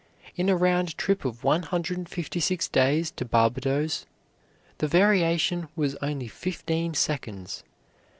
In a round trip of one hundred and fifty six days to Barbadoes, the variation was only fifteen seconds.